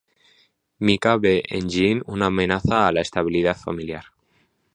Mika ve en Jeanne una amenaza a la estabilidad familiar.